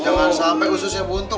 jangan sampai ususnya buntu